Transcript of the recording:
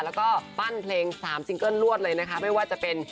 แล้วก็ปั้นเพลงสามซิงเกิ้ลรวดเลยนะคะไม่ว่าจะเป็น